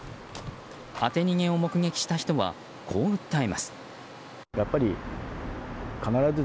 当て逃げを目撃した人はこう訴えます。